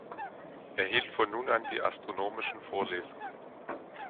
Er hielt von nun an die astronomischen Vorlesungen.